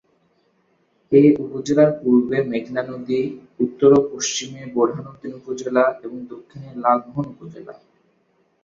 এ উপজেলার পূর্বে মেঘনা নদী, উত্তর ও পশ্চিমে বোরহানউদ্দিন উপজেলা এবং দক্ষিণে লালমোহন উপজেলা।